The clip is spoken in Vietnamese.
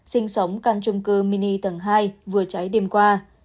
sinh sống căn trung cư mini tầng hai vừa cháy đêm qua